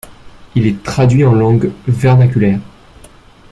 Il est traduit en langue vernaculaire.